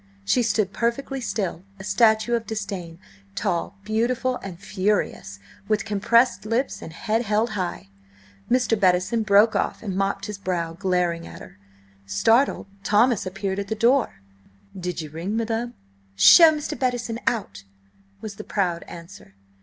She stood perfectly still, a statue of Disdain, tall, beautiful and furious, with compressed lips and head held high. Mr. Bettison broke off and mopped his brow, glaring at her Startled Thomas appeared at the door. "Did you ring, madam?" "Show Mr. Bettison out," was the proud answer.